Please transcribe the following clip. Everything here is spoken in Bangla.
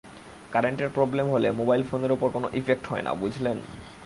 কারেন্টের প্রবলেম হলে মোবাইল ফোনের ওপর কোনো ইফেক্ট হয় না, বুঝলেন?